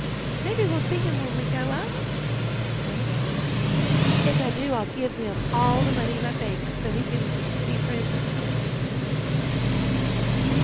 "Maybe we'll see him when we go up," said Freddie. "If I do I'll give him all the money in my bank so he can be friends with his uncle again."